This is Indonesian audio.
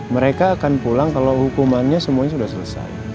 mereka akan pulang kalau hukumannya semuanya sudah selesai